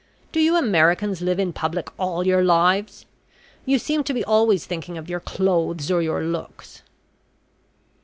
"Do you Americans live in public all your lives? You seem to be always thinking of your clothes, or your looks!"